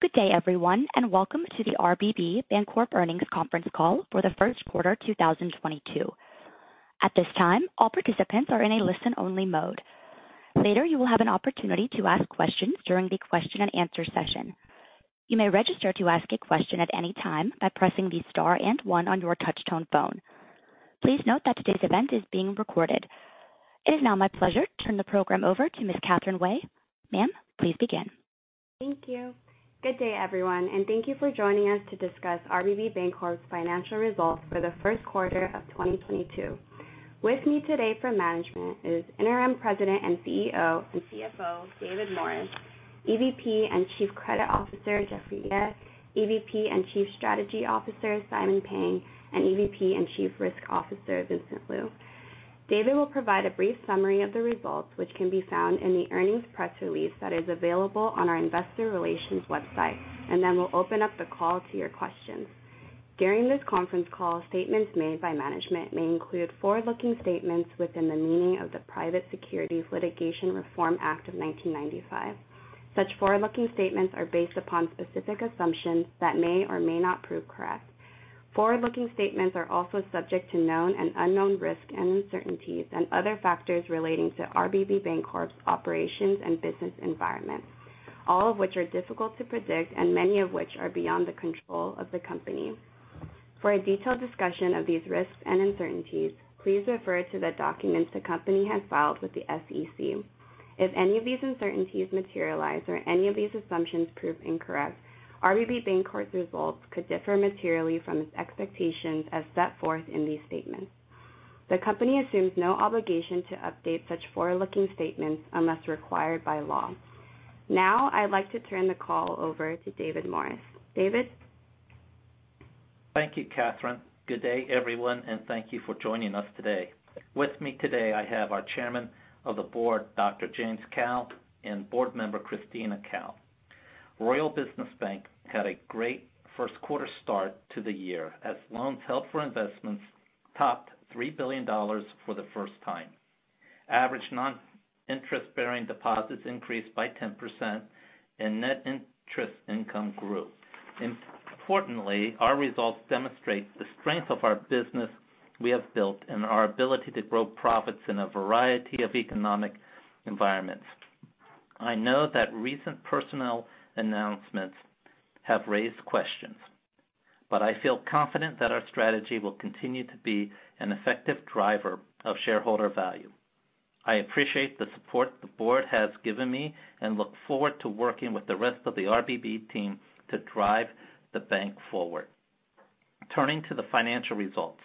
Good day, everyone, and welcome to the RBB Bancorp earnings conference call for the first quarter 2022. At this time, all participants are in a listen-only mode. Later, you will have an opportunity to ask questions during the question-and-answer session. You may register to ask a question at any time by pressing the star and one on your touch-tone phone. Please note that today's event is being recorded. It is now my pleasure to turn the program over to Ms. Catherine Wei. Ma'am, please begin. Thank you. Good day, everyone, and thank you for joining us to discuss RBB Bancorp's financial results for the first quarter of 2022. With me today for management is Interim President and CEO and CFO, David Morris; EVP and Chief Credit Officer, Jeffrey Yeh; EVP and Chief Strategy Officer, Simon Pang; and EVP and Chief Risk Officer, Vincent Liu. David will provide a brief summary of the results, which can be found in the earnings press release that is available on our investor relations website. Then we'll open up the call to your questions. During this conference call, statements made by management may include forward-looking statements within the meaning of the Private Securities Litigation Reform Act of 1995. Such forward-looking statements are based upon specific assumptions that may or may not prove correct. Forward-looking statements are also subject to known and unknown risks and uncertainties and other factors relating to RBB Bancorp's operations and business environment, all of which are difficult to predict and many of which are beyond the control of the company. For a detailed discussion of these risks and uncertainties, please refer to the documents the company has filed with the SEC. If any of these uncertainties materialize or any of these assumptions prove incorrect, RBB Bancorp's results could differ materially from its expectations as set forth in these statements. The company assumes no obligation to update such forward-looking statements unless required by law. Now, I'd like to turn the call over to David Morris. David? Thank you, Catherine. Good day, everyone, and thank you for joining us today. With me today, I have our Chairman of the Board, Dr. James Kao, and Board member, Christina Kao. Royal Business Bank had a great first quarter start to the year as loans held for investments topped $3 billion for the first time. Average non-interest-bearing deposits increased by 10% and net interest income grew. Importantly, our results demonstrate the strength of our business we have built and our ability to grow profits in a variety of economic environments. I know that recent personnel announcements have raised questions, but I feel confident that our strategy will continue to be an effective driver of shareholder value. I appreciate the support the Board has given me and look forward to working with the rest of the RBB team to drive the bank forward. Turning to the financial results.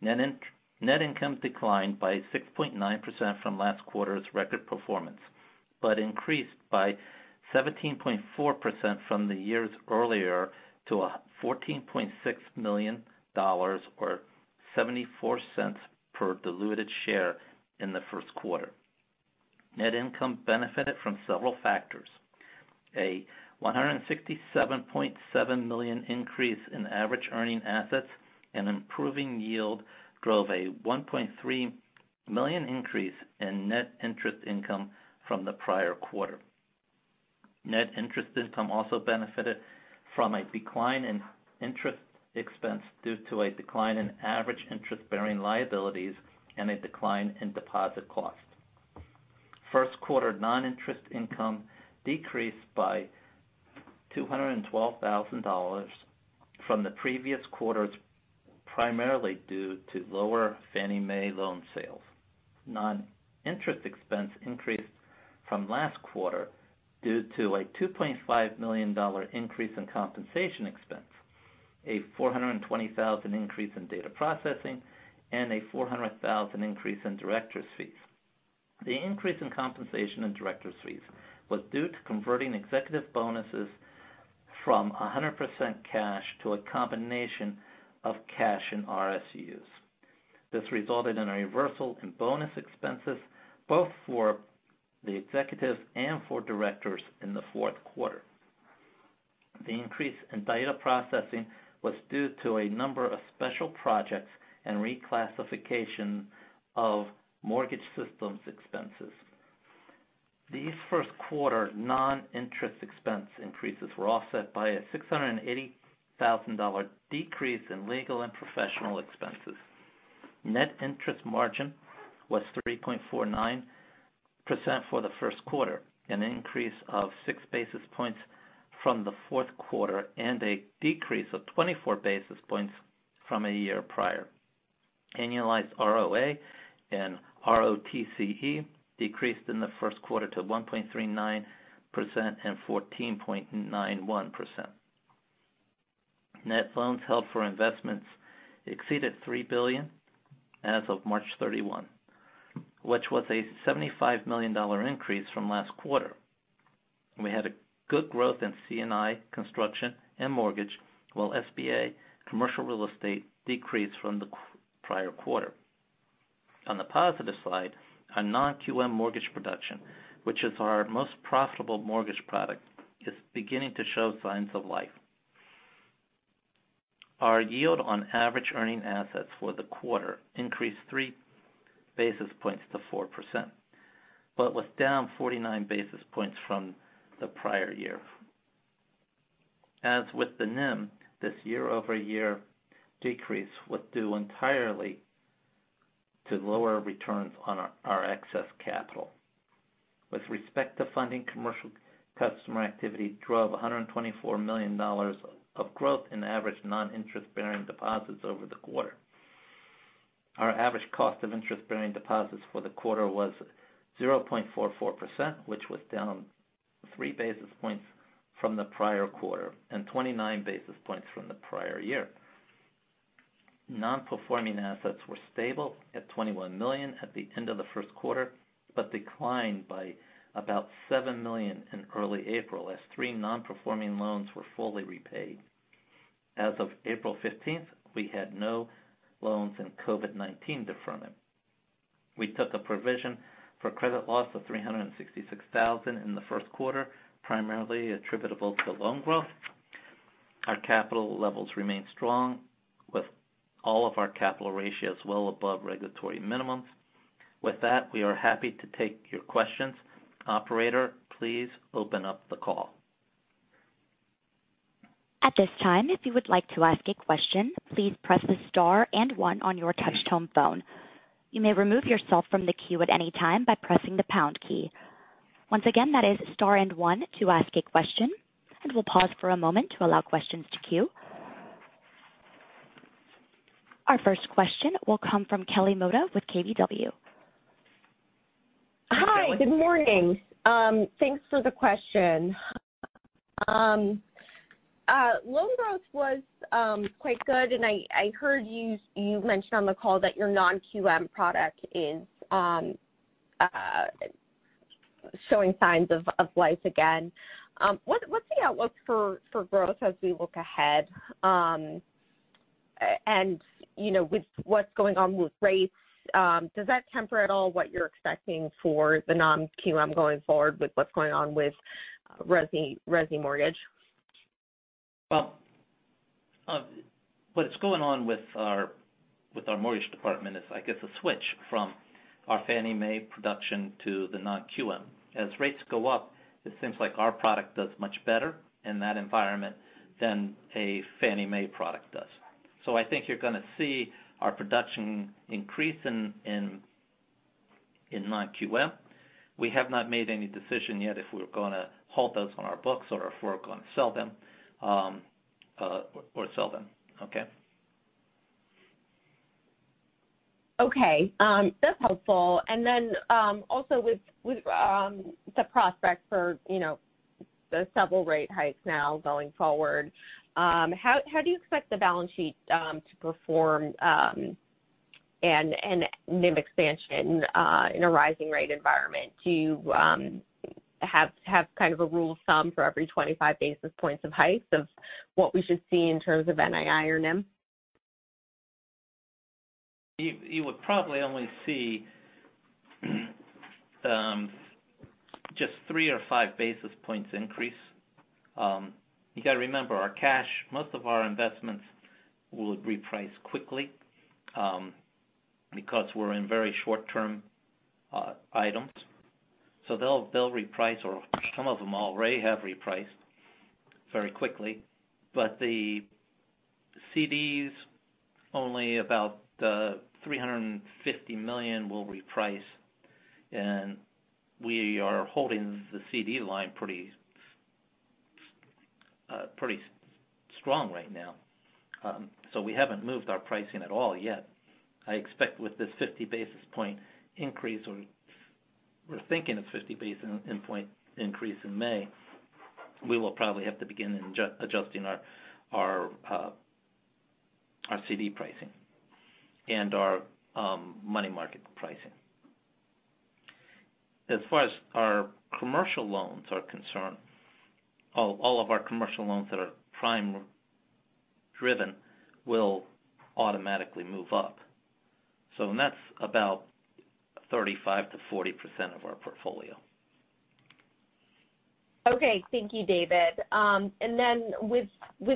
Net income declined by 6.9% from last quarter's record performance, but increased by 17.4% from the year earlier to $14.6 million or $0.74 per diluted share in the first quarter. Net income benefited from several factors, a $167.7 million increase in average earning assets and improving yield drove a $1.3 million increase in net interest income from the prior quarter. Net interest income also benefited from a decline in interest expense due to a decline in average interest-bearing liabilities and a decline in deposit cost. First quarter non-interest income decreased by $212,000 from the previous quarter, primarily due to lower Fannie Mae loan sales. Non-interest expense increased from last quarter due to a $2.5 million increase in compensation expense, a $420,000 increase in data processing, and a $400,000 increase in directors' fees. The increase in compensation and directors' fees was due to converting executive bonuses from 100% cash to a combination of cash and RSUs. This resulted in a reversal in bonus expenses, both for the executives and for directors in the fourth quarter. The increase in data processing was due to a number of special projects and reclassification of mortgage systems expenses. These first quarter non-interest expense increases were offset by a $680,000 decrease in legal and professional expenses. Net interest margin was 3.49% for the first quarter, an increase of 6 basis points from the fourth quarter and a decrease of 24 basis points from a year prior. Annualized ROA and ROTCE decreased in the first quarter to 1.39% and 14.91%. Net loans held for investment exceeded $3 billion as of March 31, which was a $75 million increase from last quarter. We had good growth in C&I, construction, and mortgage, while SBA commercial real estate decreased from the prior quarter. On the positive side, our non-QM mortgage production, which is our most profitable mortgage product, is beginning to show signs of life. Our yield on average earning assets for the quarter increased 3 basis points to 4%, but was down 49 basis points from the prior year. As with the NIM, this year-over-year decrease was due entirely to lower returns on our excess capital. With respect to funding, commercial customer activity drove $124 million of growth in average non-interest-bearing deposits over the quarter. Our average cost of interest-bearing deposits for the quarter was 0.44%, which was down 3 basis points from the prior quarter and 29 basis points from the prior year. Non-performing assets were stable at $21 million at the end of the first quarter, but declined by about $7 million in early April as three non-performing loans were fully repaid. As of April 15th, we had no loans in COVID-19 deferment. We took a provision for credit loss of $366,000 in the first quarter, primarily attributable to loan growth. Our capital levels remain strong with all of our capital ratios well above regulatory minimums. With that, we are happy to take your questions. Operator, please open up the call. At this time, if you would like to ask a question, please press star and one on your touch-tone phone. You may remove yourself from the queue at any time by pressing the pound key. Once again, that is star and one to ask a question, and we'll pause for a moment to allow questions to queue. Our first question will come from Kelly Motta with KBW. Hi. Good morning. Thanks for the question. Loan growth was quite good, and I heard you mentioned on the call that your non-QM product is showing signs of life again. What's the outlook for growth as we look ahead? And you know, with what's going on with rates, does that temper at all what you're expecting for the non-QM going forward with what's going on with resi mortgage? Well, what is going on with our mortgage department is, I guess, a switch from our Fannie Mae production to the non-QM. As rates go up, it seems like our product does much better in that environment than a Fannie Mae product does. I think you're gonna see our production increase in non-QM. We have not made any decision yet if we're gonna hold those on our books or if we're gonna sell them. Okay. Okay. That's helpful. Then also with the prospect for, you know, the several rate hikes now going forward, how do you expect the balance sheet to perform, and NIM expansion in a rising rate environment? Do you have kind of a rule of thumb for every 25 basis points of hikes of what we should see in terms of NII or NIM? You would probably only see just 3 or 5 basis points increase. You gotta remember, our cash, most of our investments will reprice quickly because we're in very short-term items. They'll reprice or some of them already have repriced very quickly. The CDs, only about $350 million will reprice, and we are holding the CD line pretty strong right now. We haven't moved our pricing at all yet. I expect with this 50 basis point increase or we're thinking it's 50 basis point increase in May, we will probably have to begin adjusting our CD pricing and our money market pricing. As far as our commercial loans are concerned, all of our commercial loans that are prime driven will automatically move up. That's about 35%-40% of our portfolio. Okay. Thank you, David. And then with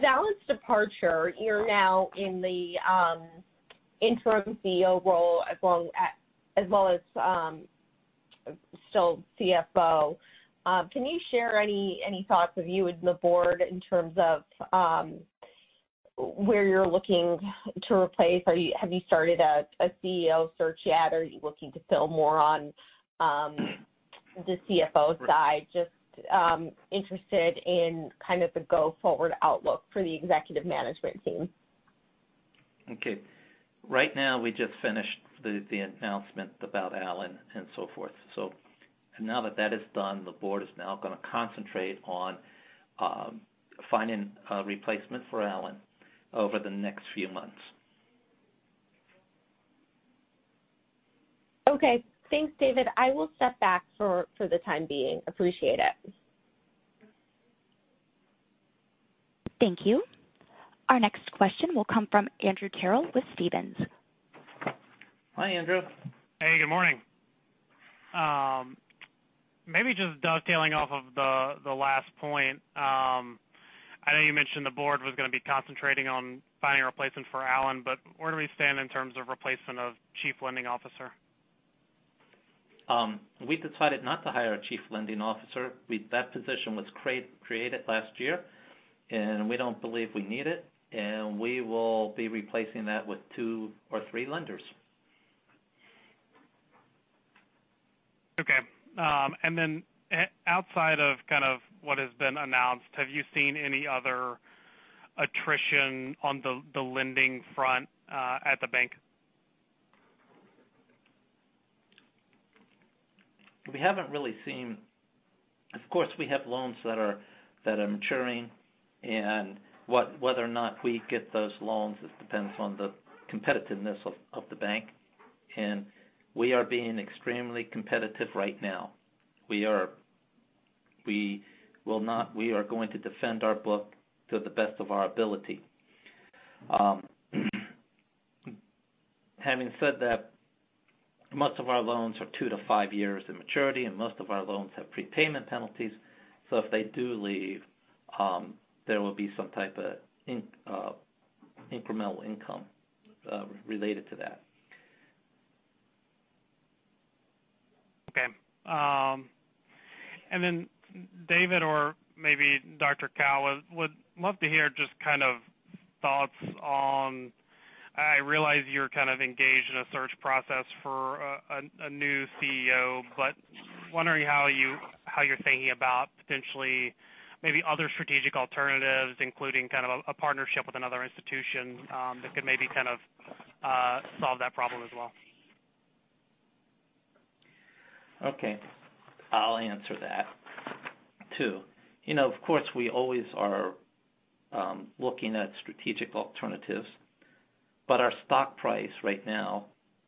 Alan's departure, you're now in the Interim CEO role as well as still CFO. Can you share any thoughts of you and the Board in terms of where you're looking to replace? Have you started a CEO search yet or are you looking to fill more on the CFO side? Just interested in kind of the go-forward outlook for the executive management team. Okay. Right now, we just finished the announcement about Alan and so forth. Now that is done, the Board is now gonna concentrate on finding a replacement for Alan over the next few months. Okay. Thanks, David. I will step back for the time being. Appreciate it. Thank you. Our next question will come from Andrew Terrell with Stephens. Hi, Andrew. Hey, good morning. Maybe just dovetailing off of the last point. I know you mentioned the Board was gonna be concentrating on finding a replacement for Alan, but where do we stand in terms of replacement of Chief Lending Officer? We decided not to hire a Chief Lending Officer. That position was created last year, and we don't believe we need it, and we will be replacing that with two or three lenders. Outside of kind of what has been announced, have you seen any other attrition on the lending front at the bank? We haven't really seen. Of course, we have loans that are maturing, and whether or not we get those loans just depends on the competitiveness of the bank. We are being extremely competitive right now. We are going to defend our book to the best of our ability. Having said that, most of our loans are 2-5 years in maturity, and most of our loans have prepayment penalties. If they do leave, there will be some type of incremental income related to that. Okay. David or maybe Dr. Kao, would love to hear just kind of thoughts on. I realize you're kind of engaged in a search process for a new CEO, but wondering how you're thinking about potentially maybe other strategic alternatives, including kind of a partnership with another institution, that could maybe kind of solve that problem as well. Okay. I'll answer that, too. You know, of course, we always are looking at strategic alternatives, but our stock price right now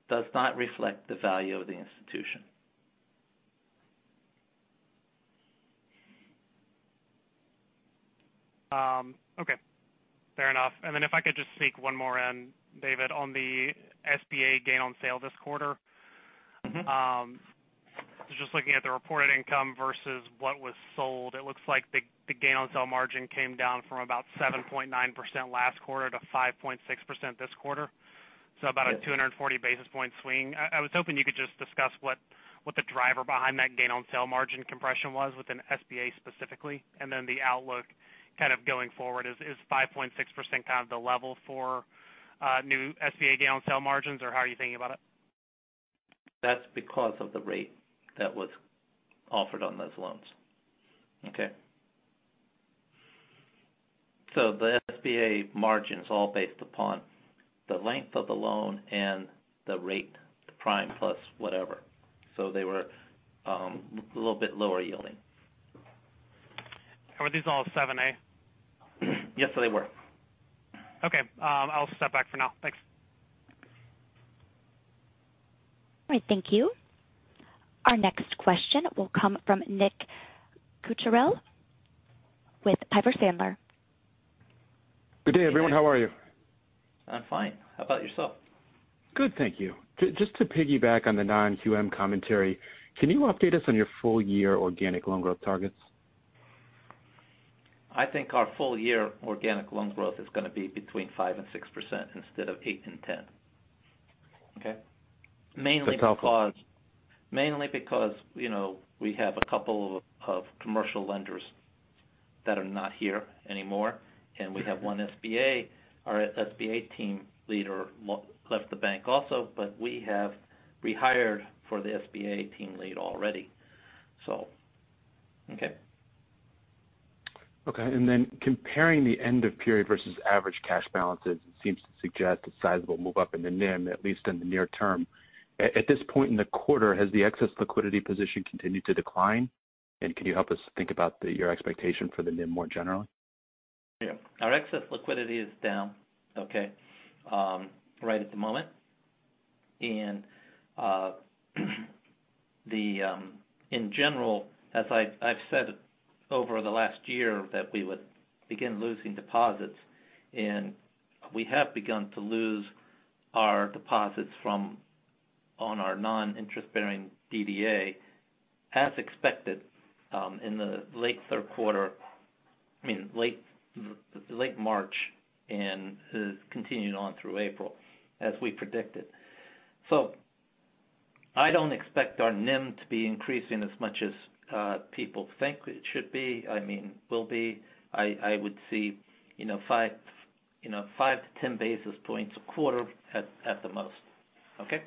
does not reflect the value of the institution. Okay. Fair enough. Then if I could just sneak one more in, David, on the SBA gain on sale this quarter. Mm-hmm. Just looking at the reported income versus what was sold, it looks like the gain on sale margin came down from about 7.9% last quarter to 5.6% this quarter. Yes. About a 240 basis point swing. I was hoping you could just discuss what the driver behind that gain on sale margin compression was within SBA specifically, and then the outlook kind of going forward. Is 5.6% kind of the level for new SBA gain on sale margins, or how are you thinking about it? That's because of the rate that was offered on those loans. Okay? The SBA margins all based upon the length of the loan and the rate, the prime plus whatever. They were a little bit lower yielding. Were these all 7(a)? Yes, they were. Okay. I'll step back for now. Thanks. All right. Thank you. Our next question will come from Nick Cucharale with Piper Sandler. Good day, everyone. How are you? I'm fine. How about yourself? Good, thank you. Just to piggyback on the non-QM commentary, can you update us on your full year organic loan growth targets? I think our full year organic loan growth is gonna be between 5% and 6% instead of 8% and 10%. Okay? That's helpful. Mainly because you know we have a couple of commercial lenders that are not here anymore. We have one SBA. Our SBA team leader left the bank also, but we have rehired for the SBA team lead already. Okay. Okay. Then comparing the end of period versus average cash balances, it seems to suggest a sizable move up in the NIM, at least in the near term. At this point in the quarter, has the excess liquidity position continued to decline? Can you help us think about your expectation for the NIM more generally? Yeah. Our excess liquidity is down right at the moment. In general, as I've said over the last year that we would begin losing deposits, and we have begun to lose our deposits from our non-interest bearing DDA as expected in the late third quarter, I mean, late March, and it has continued on through April as we predicted. I don't expect our NIM to be increasing as much as people think it should be. I mean, will be. I would see, you know, 5 basis points, you know, 5 to 10 basis points a quarter at the most. Okay? Okay.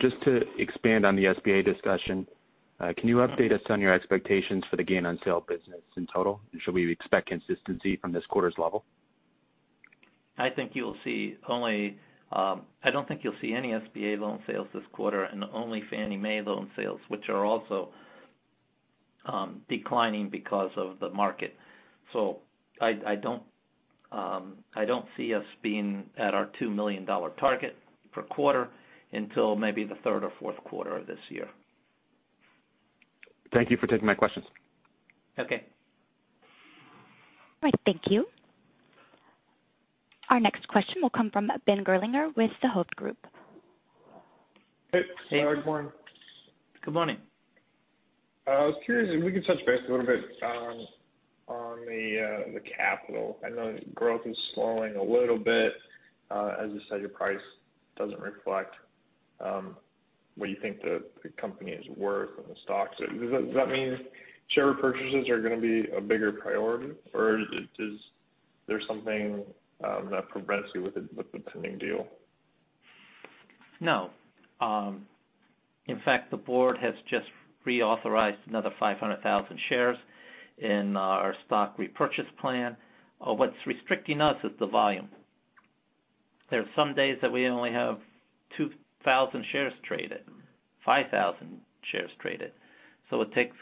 Just to expand on the SBA discussion, can you update us on your expectations for the gain on sale business in total? Should we expect consistency from this quarter's level? I don't think you'll see any SBA loan sales this quarter and only Fannie Mae loan sales, which are also declining because of the market. I don't see us being at our $2 million target per quarter until maybe the third or fourth quarter of this year. Thank you for taking my questions. Okay. All right. Thank you. Our next question will come from Ben Gerlinger with Hovde Group. Hey. Hey. Good morning. Good morning. I was curious if we could touch base a little bit on the capital. I know growth is slowing a little bit. As you said, your price doesn't reflect what you think the company is worth and the stocks. Does that mean share purchases are gonna be a bigger priority, or is it. Is there something that prevents you with the pending deal? No. In fact, the Board has just reauthorized another 500,000 shares in our stock repurchase plan. What's restricting us is the volume. There are some days that we only have 2,000 shares traded, 5,000 shares traded. It takes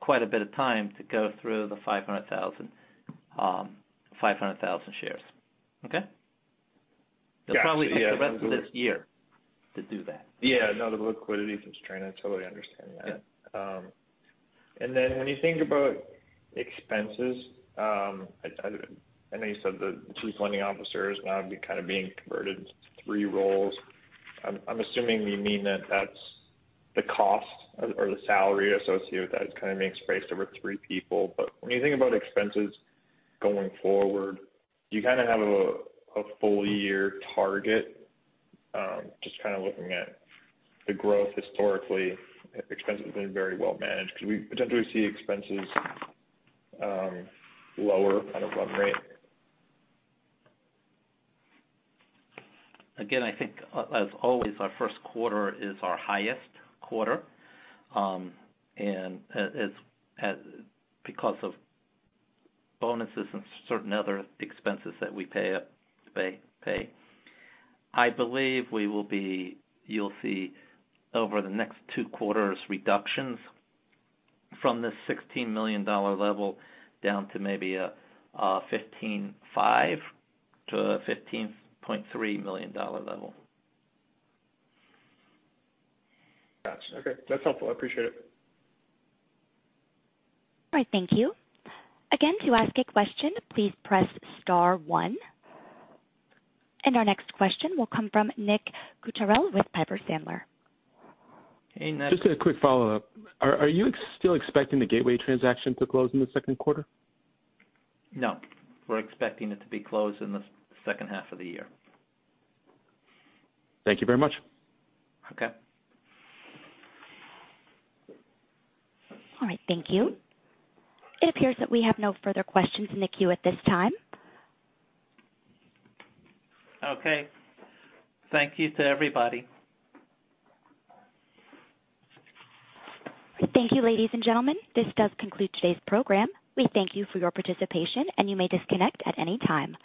quite a bit of time to go through the 500,000 shares. Okay? Gotcha. Yeah. It'll probably take the rest of this year to do that. Yeah. No, the liquidity constraint, I totally understand that. Yeah. When you think about expenses, I know you said the two lending officers now kind of being converted into three roles. I'm assuming you mean that that's the cost or the salary associated with that. It kind of makes sense to have three people. When you think about expenses going forward, do you kinda have a full year target? Just kinda looking at the growth historically, expenses have been very well managed 'cause we potentially see expenses lower kind of run rate. Again, I think as always, our first quarter is our highest quarter, and it's because of bonuses and certain other expenses that we pay. I believe we will be. You'll see over the next two quarters reductions from the $16 million level down to maybe a $15.5 million to $15.3 million level. Gotcha. Okay. That's helpful. I appreciate it. All right. Thank you. Again, to ask a question, please press star one. Our next question will come from Nick Cucharale with Piper Sandler. Hey, Nick. Just a quick follow-up. Are you still expecting the Gateway transaction to close in the second quarter? No. We're expecting it to be closed in the second half of the year. Thank you very much. Okay. All right. Thank you. It appears that we have no further questions in the queue at this time. Okay. Thank you to everybody. Thank you, ladies and gentlemen. This does conclude today's program. We thank you for your participation, and you may disconnect at any time.